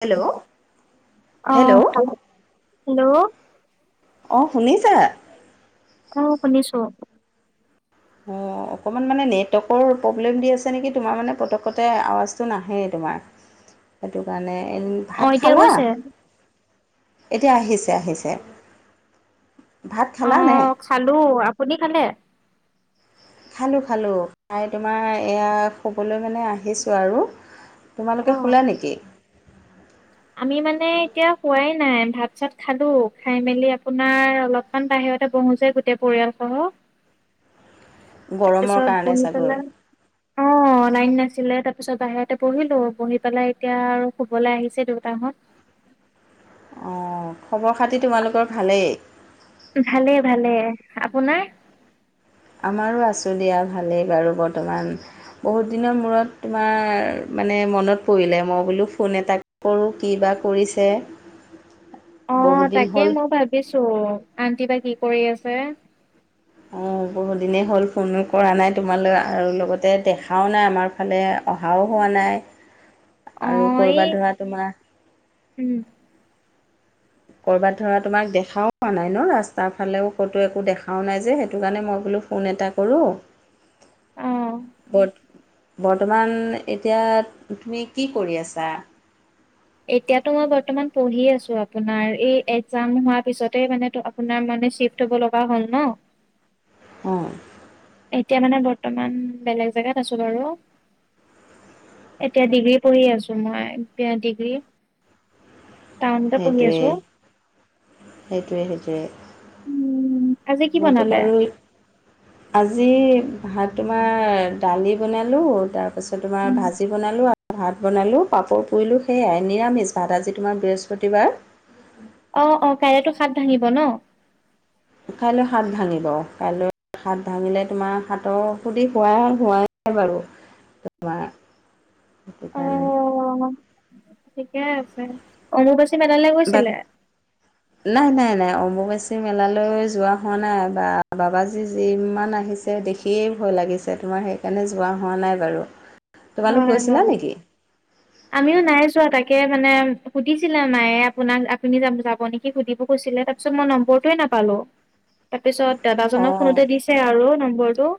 Hello, অ', hello. খাল hello. অহ' শুনিছা? অহ' শুনিছো। অ', অকণমান মানে নেটৱৰ্কৰ প্ৰব্লেম দি আছে নেকি, তোমাৰ মানে পতকতে আৱাজটো নাহেই সেইটো কাৰণে, অ', ভাত এতিয়া খালা? গৈছে এতিয়া আহিছে, আহিছে ভাত খালানে? অ', খালোঁ, আপুনি খালে? খালোঁ খালোঁ, খাই তোমাৰ এয়া শুবলৈ মানে আহিছোঁ আৰু। তোমালোকে অ', শুলা নেকি? আমি মানে এতিয়া শুৱাই নাই, ভাত চাত খালোঁ। খাই মেলি আপোনাৰ অলপমান বাহিৰত ইয়াতে বহো যে, গোটেই পৰিয়ালসহ। গৰমৰ তাৰপিছত কাৰণে চাগৈ। অহ' লাইন নাছিলে, তাৰপিছত বাহিৰতে পঢ়িলো। পঢ়ি পেলাই এতিয়া আৰু শুবলৈ আহিছে দেউতাহঁত। অহ'। খবৰ খাতি তোমালোকৰ ভালেই। ভালেই, ভালেই। আপোনাৰ? আমাৰো আছোঁ দিয়া ভালেই বাৰু বৰ্তমান, বহুত দিনৰ মূৰত তোমাৰ মানে মনত পৰিলে মই বোলো ফোন এটা কৰোঁ কি বা কৰিছে। বহুত অ', দিন তাকে হ'ল মই ভাবিছোঁ, আন্টি বা কি কৰি আছে? অ', বহুদিনেই হ'ল ফোন কৰা নাই তোমালৈ, আৰু লগতে দেখাও নাই আমাৰ ফালে অহাও হোৱা নাই আৰু অ', এই ক'ৰবাত ধৰা তোমাৰ উম কৰ'বাত ধৰা তোমাক দেখাও পোৱা নাই ন', ৰাস্তাৰ ফালেও ক'তো একো দেখাও নাই যে, সেইটোকাৰণে মই বোলো ফোন এটা কৰোঁ অ'। ক'ত বৰ্তমান এতিয়া তুমি কি কৰি আছা? এতিয়াতো মই বৰ্তমান পঢ়ি আছোঁ আপোনাৰ, এই একজাম হোৱাৰ পিছতে মানে আপোনাৰ ম চিফ্ট হ'ব লগা হ'ল ন'-া অ'। এতিয়া মানে বৰ্তমান বেলেগ জেগাত আছোঁ বাৰু। এতিয়া ডিগ্ৰী পঢ়ি আছোঁ, মই ডিগ্ৰী টাউনতে পঢ়ি সেইটোৱে, আছো সেইটোৱে, সেইটোৱে। উম আজি কি মইতো বনালে বাৰু আজি ভাত তোমাৰ দালি বনালোঁ, তাৰপাছত তোমাৰ ভাজি বনালোঁ আৰু ভাত বনালোঁ পাপৰ পুৰিলোঁ সেয়াই নিৰামিষ ভাত, আজি তোমাৰ বৃহস্পতিবাৰ। অ', অ', কাইলৈ টো সাঁথ ভাঙিব ন'। কাইলৈ সাঁথ ভাঙিব কাইলৈ সাঁথ ভাঙিলে তোমাৰ সাঁথৰ সুধি হোৱা হোৱাই বাৰু তোমাৰ সেইটোকাৰণে ঠিকেই আছে, অম্বুবাচী মেলালৈ গৈছিলে? অম্বুবাচি মেলালৈ যোৱা হোৱা নাই, বা বাবাজি যিমান আহিছে দেখিয়েই ভয় লাগিছে তোমাৰ, সেইকাৰণে যোৱা হোৱা নাই বাৰু। তোমালোক হয় গৈছিলা হয় নেকি আমিও নাই যোৱা, তাকে মানে সুধিছিলে মায়ে আপোনাক আপুনি যাব নেকি সুধিব কৈছিলে তাৰ পিছত মই নম্বৰটোয়ে নাপালো। উ [unintelligible] তাৰপিছত দাদাজক ফোনতে দিছে আৰু নম্বৰটো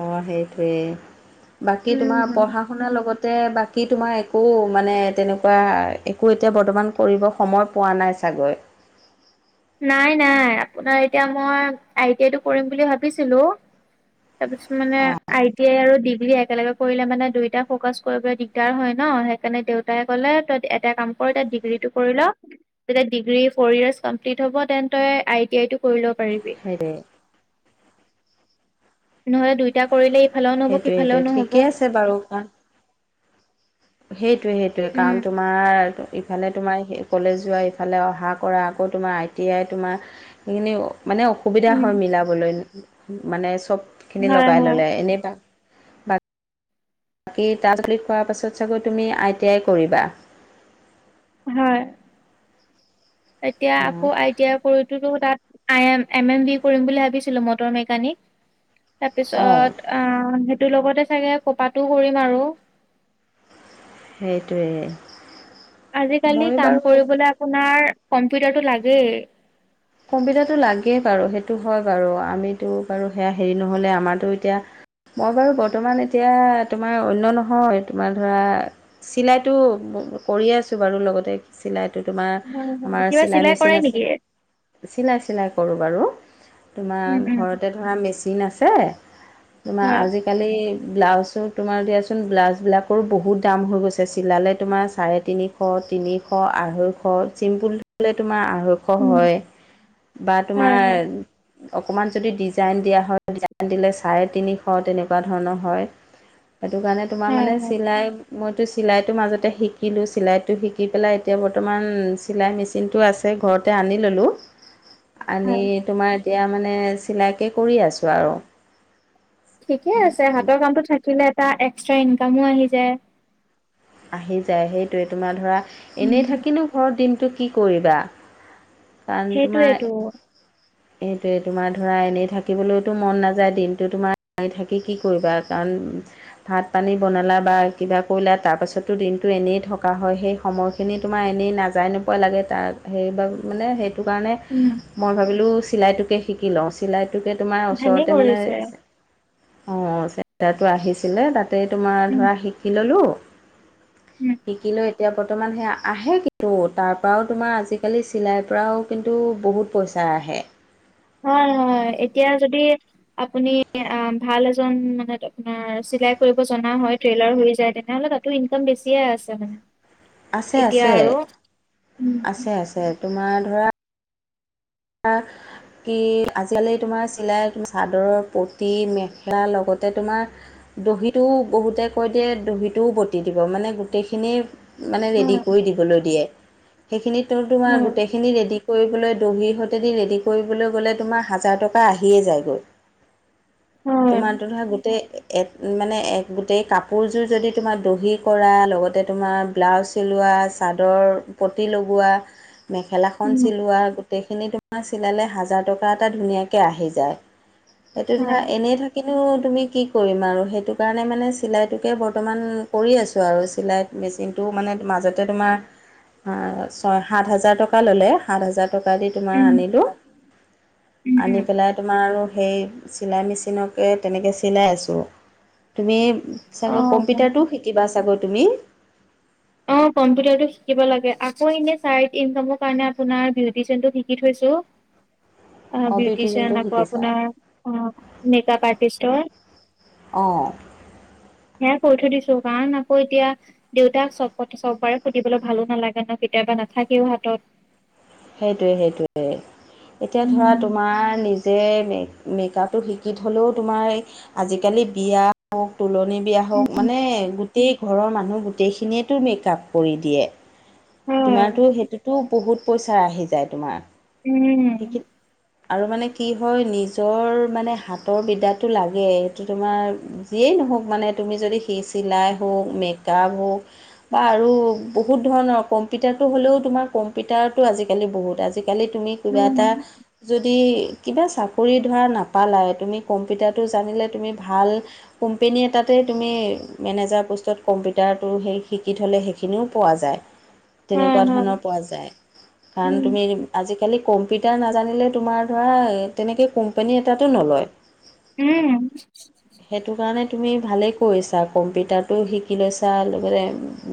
অ', সেইটয়েই বাকী তোমাৰ উম পঢ়া শুনাৰ লগতে বাকী তোমাৰ একো মানে তেনেকুৱা একো এতিয়া বৰ্তমান কৰিব সময় পোৱা নাই চাগৈ [inaudible] নাই নাই আপোনাৰ এতিয়া মই আই টি আইটো কৰিম বুলি ভাবিছিলো তাৰ পিছত মানে অ আই টি আই আৰু দ একেলগে কৰিলে মানে দুইটা ফকাচ কৰিবলৈ দিগদাৰ হয় ন', সেইকাৰণে দেউতাই ক'লে তই এটা কাম ডিগ্ৰীটো কৰি ল', তেতিয়া ডিগ্ৰী ফ'ৰ ইয়েৰ হ'ব তেন তই আই টি আই টো কৰি ল'ব পাৰিবি। সেইটোৱে নহ'লে দুইটা কৰিলে ইফালেও নহব সেইটোৱে সিফালেও সেইটোৱে নহ'ব। ঠিকে আছে বাৰু কাৰণ সেইটোৱে সেইটোৱে কাৰণ উম তোমাৰ ইফালে তোমাৰ সেই কলেজ যোৱা ইফালে অহা কৰা আকৌ তোমাৰ আই টি আই তোমাৰ সেইখিনি মানে অসুবিধা হয় উম মিলাবলৈ মানে চবখিনি হয় লগাই হয় ল'লে এনে [unintelligible] বাকী তচল খোৱাৰ পাছত চাগৈ তুমি আই টি আই কৰিবা হয় এতিয়া আকৌ আইটি আ কৰিতো তাত I M M M B কৰিম বুলি ভাবিছিলো মটৰ মেকানিক অঁ তাৰপিছত তোৰ লগতে চাগে পপাতটো [unintelligible] কৰিম আৰু সেইটোৱেই। আজিকালি কাম কৰিবলৈ আপোনাৰ কম্পিউটাৰটো লাগেই। কম্পিউতাৰটো লাগেই বাৰু সেইটো হয় বাৰু আমিতো বাৰু সেয়া হেৰি নহ'লে আমাৰতো এতিয়া মই বাৰু বৰ্তমান এতিয়া তোমাৰ অন্য নহয় তোমাৰ ধৰা চিলাইটো কৰিছো বাৰু লগতে চিলাই তোমাৰ হয় হয় আমাৰ কিবা চিলাই কৰে মেচিন নেকি আছে চিলাই চিলাই কৰোঁ বাৰু উম তোমাৰ উম ঘৰতে ধৰা মেচিন আছে তোমাৰ হয় আজিকালি ব্লাউজো তোমাৰ দিয়াচোন ব্লাউজবিলাকৰো বহুত দাম হৈ গৈছে চিলালে তোমাৰ চাৰে তিনিশ তিনিশ আঢ়ৈশ চিমুল হ'লে তোমাৰ ওখ উম হয় বা তোমাৰ হয় হয় অকণমান যদি ডিজাইন দিয়া হয় ডিজাইন দিলে চাৰে তিনিশ তেনেকুৱা ধৰণৰ হয় সেইটো কাৰণে তোমাৰ হয় মানে হয় চিলাই মইতো চিলাইটোৰ মাজতে শিকিলোঁ চিলাইটো শিকি পেলাই এতিয়া বৰ্তমান চিলাই মেচিনটো আছে ঘৰতে আনি ললো আনি হয় তোমাৰ এতিয়া মানে চিলাইকে কৰি আছোঁ আৰু ঠিকে আছে হাতৰ কামটো থাকিলে এটা এক্সট্ৰা ইনকামো আহি যায় আহি যায় সেইটোৱে তোমাৰ ধৰা উম এনেই থাকিনো ঘৰত দিনটো কি কৰিবা সেইটোৱেটো সেটোয়ে তোমাৰ ধৰা এনেই থাকিবলৈতো মন নাযায় দিনতো তোমাৰ মাৰি থাকি কি কৰিবা কাৰণ ভাত পানী বনালা বা কিবা কৰিলা তাৰপাছতো দিনটো এনেই থকা হয় সেই সময় খিনি তোমাৰ এনেই নাযায় নোপোৱা লাগে তাৰ সেইব মানে সেই সেইটো কাৰণে উম মই ভাবিলোঁ চিলাইটোকে শিকি লওঁ চিলাই সেইটোকে তোমাৰ ভালেই ওচৰতে মানে কৰিছে অ চেণ্টাৰটো আহিছিলে ত তাতেই তোমাৰ উম ধৰা শিকি ললোঁ উম শিকিলো এতিয়া বৰ্তমান সেয়া আহে কিন্তু তাৰ পৰাও তোমাৰ আজিকালি চিলাইৰ পৰাও কিন্তু বহুত পইচা আহে হয় হয় এতিয়া যদি আপুনি ভাল এজন মানে আপোনাৰ চ কৰিব জ হয়্ৰেইাৰ হৈ য তেনেহলে তাতোনক বেছে আছে মানে আছে এতিয়া আছে আৰু উম আছে আছে তোমাৰ ধৰা হ কি আজিকালি তোমাৰ চিলাই চাদৰৰ পটি মেখেলা লগতে তোমাৰ দহিটোও বহুতে কৈ দিয়ে দহিটোও বটি দিব মানে গোটেইখিনি মানে ৰেডি হয় কৰি দিবলৈ দিয়ে সেইখিনিতো তোমাৰ হয় গোটেইখিনি ৰেডি কৰিবলৈ দহি ৰেডি কৰিবলৈ গ'লে তোমাৰ িয়ে যায়গৈ হয় তোমাৰটো ধৰা গোটেই এক মানে এক গোটেই কাপোৰযোৰ যদি তোমাৰ দহি কৰা লগতে তোমাৰ ব্লাউজ চিলোৱা [unintelligible] মেখেলাখন উম চিলোৱা গোটেইখিনি তোমাক চিলালে হাজাৰ টকা এটা ধুনীয়াকৈ আহি যায় সেইটো ধৰা হয় এনেই থাকিনো [unintelligible] ম ম ব ব স ব তোমাৰ উম আনিলো উম আনি উম পেলাই তোমাৰ আৰু সেই চিলাই মেচিনকে তেনেকৈ চিলাই আছোঁ, তুমি অ চাগৈ কম্পিউটাৰটোও শিকিবা চাগৈ তুমি। অ', কম্পিউটাৰটো শিকিব লাগে, আকৌ এনে চাইদ ইনকামৰ কাৰণে আপোনাৰ বিউটিচিয়ানটো শিকি থৈছো। [inaudible] অ', বিউটিচিয়ানটো বিউটিচিয়ান আকৌ শিকিছা আপোনাৰ অ', মেকআপ আৰ্টিষ্ট হয়। অ সে কৈ থৈ দিছো কাৰণ আকৌ এতিয়া দেউতাক চব চবাৰে সুধিবলৈ ভালো নালাগে ন কেতিয়াবা নাথাকিও হাতত সেইটোৱে সেইটোয়ে এতিয়া ধৰা উম, তোমাৰ নিজ যে মে মেকআপটো শিকি থ'লেও তোমাৰ আজিকালি বিয়া হও তোলনি বিয়া হওঁক উম, মানে গোটেই ঘৰৰ মানুহ গোটেইখিনিয়েতো মেকআপ কৰি দিয়ে। হয় তোমাৰতো সেইটোতো বহুত পইচা আহি যায় তোমাৰ। উম। সেইখিনি আৰু মানে কি হয় নিজৰ মানে হাতৰ বিদ্যাটো লাগে এইটো তোমাৰ যিয়েই নহওঁক মানে তুমি যদি সেই চিলাই হওঁক, মেকআপ হওঁক বা আৰু বহুত ধৰণৰ ৰ কম্পিউটাৰটো হ'লেও, কম্পিউটাৰটো আজিকালি বহুত, আজিকালি তুমি কিবা উম এটা কিবা চাকৰি ধৰা নাপালাই তুমি কম্পিউাৰটো জানিলে তুমি ভাল কোম্পেনী এটাতেই তুমি মেনেজাৰ পোষ্টত কম্পিউটাৰটো সেই শিকি থ'লে সেইখিনিও পোৱা যায়। হয় তেনেকুৱা হয় ধৰণৰ পোৱা যায়, কাৰণ উম তুমি আজি কালি কম্পিউটাৰ নাজানিলে তোমাৰ ধৰা তেনেকৈ কোম্পানী এটাটো নলয়। উম। সেইটোকাৰণে তুমি ভালেই কৰিছা কম্পিউটাৰটো শিকি লৈছা, লগতে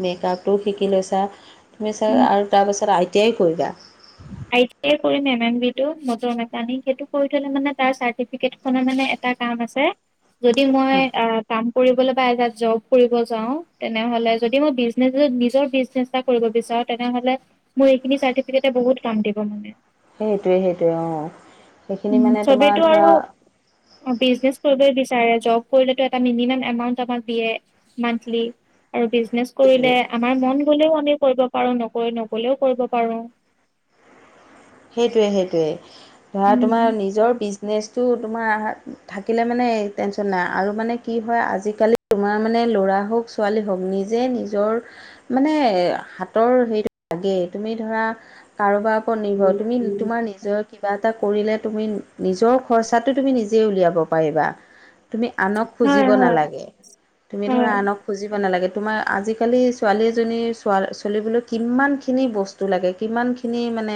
মেকআপটো শিকি লৈছা। তু উম। আৰু তাৰপিছত আই টি আই কৰিবা। আই টি আই কৰিম এম এম বি টো মটৰ মেকানিক, সেইটো কৰি থ'লে মানে তাৰ চাৰ্টিফিকেটখনৰ মানে এ কাম আছে যদি মই কাম কৰিবলৈ বা এটা জব কৰিব যাওঁ তেনেহ'লে যদি মই বিজনে নিজৰ বিজনেছ এটা কৰিব বিচাৰো তেনেহ'লে মোৰ এইখিন চাৰ্টিফিকেটে বহুত কাম দিব মানে। সেইটোৱে সেইটোৱে অ', সেইখিনি মানে তোমাৰ ধৰা অ', বিজনেচ কৰিবলৈ তাৰে জব কৰিলেটো এটা মিনিমাম এমাউণ্ট আমাক দিয়ে মান্থলি। আৰু বিজনেছ কৰিলে সেইটোৱে আমাৰ মন গ'লেও অ' কৰিব পাৰো নকৈ নকলেও কৰিব পাৰো। সেইটোয়ে সেইটোয়ে ধৰা তোমাৰ উম নিজৰ নেচটো তোমাৰ থাকিলে মানে টেনশচন নাই, আৰু মানে কি হয় আজিকালি তোমাৰ মানে ল'ৰা হওঁক, ছোৱালী হওঁক নিজে নিজৰ মানে হাতৰ হে লাগে এইটো তুমি ধৰা কাৰোবাৰ ওপৰত নিৰ্ভৰ তুমি তোমাৰ নিজৰ কিবা এটা কৰিলে তুমি নিজৰ খৰচাটো তুমি নিজে উলিয়াব পাৰিবা। তুমি আনক খুজিব হয় হয় নালাগে, তুমি হয় ধৰা আনক খুজিব নালাগে। তোমাৰ আজিকালি ছোৱালী এজনীৰ ছোৱা চলিবলৈ কিমানখিনি বস্তু লাগে কিমানখিনি মানে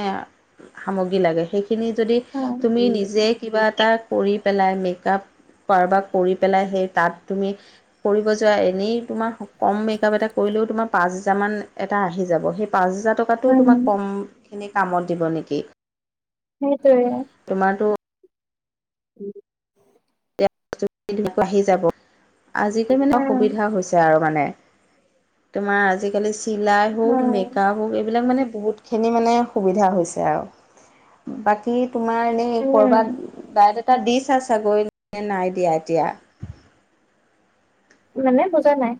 সামগ্ৰি লাগে সেইখিনি যদি তুমি হয় নিজে কিবা এটা কৰি পেলাই মেকআপ কাৰবাৰ কৰি পেলাই সেই তাত তুমি কৰিব যোৱা এনেই তোমাৰ কম মেকআপ এটা কৰি তমাৰ পাচঁ হেজাৰ মান আহি যাব। পাঁচ হেজাৰ টকাটো তোমাক উম কমখিনি কামত দিব নেকি। সেইটোৱে। তোমাৰতো উম। ধই আহি যাব আজিকালি মানে উম অসুবিধা হৈছে আৰু মানে তোমাৰ আজিকালি চিলাই হওক হয় মেকাপ হওক এইবিলাক মানে বহুতখিনি মানে সুবিধা হৈছে আৰু বাকী তোমাৰ এনেই কৰবাত উম ডাইত এটা দিছ আ চাগৈ নাই এতিয়া এতিয়া মানে বুজা নাই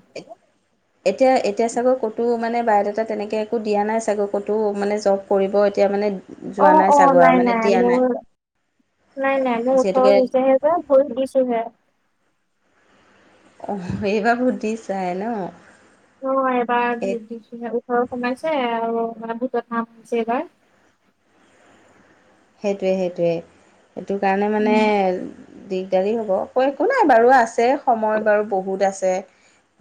এতিয়া এতিয়া চাগৈ ক'তো মানে বায়'দাটা তেনেকৈ একো দিয়া নাই চাগৈ ক'তো মানে জব কৰিব এতিয়া মানে অ যোৱা নাই অ চাগৈ আৰু অনলাইন মানে দিয়া নাই মোৰ নাই নাই মই উঠঁৰ যিহেতুকে হৈছেহে এইবাৰ ভোট দিছোহে। আহ এইবাৰ ভোট দিছাহে ন'। অ', এবাৰ ভোট দিছোহে। ঘৰ সোমাইছে আৰু মানে ভোটত নাম আহিছে এইবাৰ। সেইটোৱে সেইটোৱে সেইটো কাৰণে মানে দিগদাৰি হ'ব ক একো নাই বাৰু আছে সময় বাৰু বহুত আছে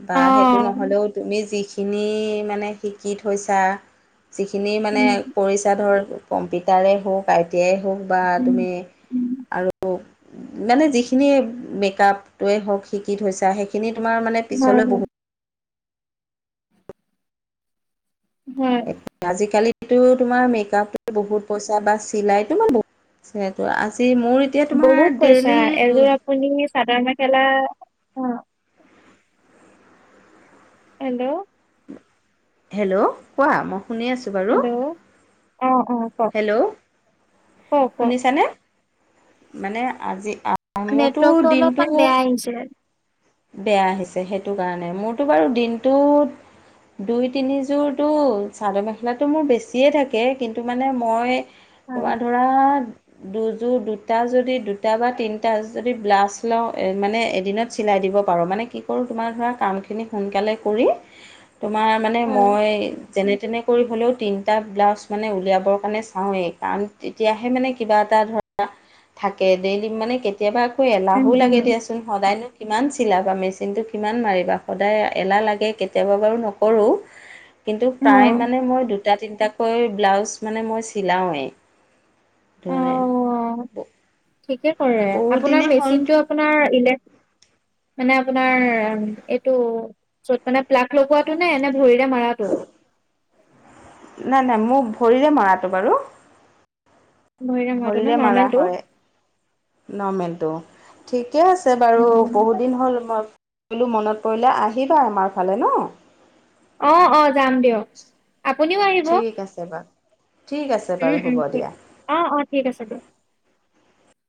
বা সেইটো অ নহ'লেও তুমি যিখিনি মানে শিকি থৈছা যিখিনি মানে উম, পচা ধৰক কম্পিউটাৰে হওক এতিয়াই হওক বা উম, তুমি উম, আৰু মানে যিখিনি মেকআপটোৱে হওক শিকি থৈছা সেইখিনিত তোমাৰ মানে হয়, পিছলৈ হয়, বহুত হয়, আজিকালি এইটো তোমাৰ মেকআপ বহুত পইচা বা চিলাইতো বা বহুত আ মোৰ এতিয়া বহুত তোমাৰ কৈছা ডেইলি দু এযোৰ আপুনি চাদৰ মেখেলা অ হেল্ল' হেল্ল' কোৱা মই শুনি আছোঁ বাৰু হেল্ল', অ', অ', কওক, হেল্ল' কওক, কওক। শুনিছানে মানে আজি মোৰতো নেটৱৰ্কটো দিনটো অলপমাপ বেয়া আহিছে বেয়া আহিছে সেইটো কাৰণে মোৰতো বাৰু দিনটোত দুই তিনিযোৰতো চাদৰ মেখেলাটো মোৰ বেছিয়ে থাকে কিন্তু মানে মই হয়, তোমাৰ ধৰা দুযোৰ দুটা যদি দুটা বা তিনিটা যদি ব্লাষ্ট লওঁ মানে এদিনত চিলাই দিব পাৰো মানে কি কৰো তোমাৰ ধৰা কাম খিনি সোনকালে কৰি তোমাৰ মানে হয়, মই যেনে তেনে কৰি হ'লেও তিনিটা ব্লাউজ মানে উলিয়াবৰ কাৰণে চাওঁৱেই কাৰণ তেতিয়াহে মানে কিবা এ ধৰা থাকে দিম মানে কেতিয়াবা আকৌ উম, এলাহো উম, লাগে দিয়াচোন সদায়ন কিমান চিলাবা মেচিনটো কিমান মাৰিবা সদায় এলাহ লাগে কেতিয়াবা বাৰু নকৰোঁ কিন্তু প্ৰায় অ', মানে মই দুটা তিনিটাকৈ ব্লাউজ মানে মই চিলাওঁৱেই অ', [unintelligible] ঠিকে কৰে বহুত দিনে আপোনাৰ হ'ল মেচিনটো আপোনাৰ ইলেক মানে আপোনাৰ এইটো যত মানে প্লাক লগোৱাটো নে নে ভৰিৰে মাৰাটো নাই নাই মোক ভৰিৰে মৰাটো বাৰু মৰাটো ন ভৰিৰে মাৰা নৰ্মেলটো? হয় নমেলটো ঠিকে আছে বাৰু অ', বহুত দিন হ'ল ম বলো মনত পৰিলে আহিবা আমাৰ ফালে ন অ অ যাম দিয়ক আপুনিও আহিব ঠিক আছে বাৰু ঠিক আছে উম বাৰু উম হ'ব ঠিক দিয়া অ অ ঠিক আছে দে